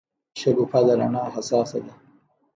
شګوفه د رڼا حساسه ده.